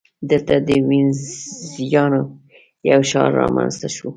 دلته د وینزیانو یو ښار رامنځته شو.